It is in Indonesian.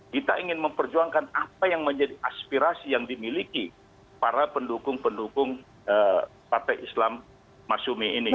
kita ingin memperjuangkan apa yang menjadi aspirasi yang dimiliki para pendukung pendukung partai islam masyumi ini